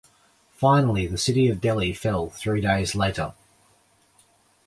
Finally, the city of Delhi fell three days later.